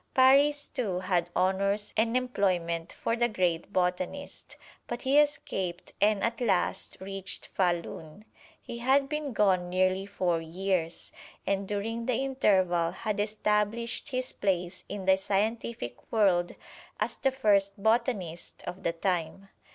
Paris, too, had honors and employment for the great botanist, but he escaped and at last reached Fahlun. He had been gone nearly four years, and during the interval had established his place in the scientific world as the first botanist of the time.